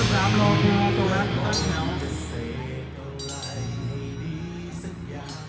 บาร์คอร์รตอนลักษณ์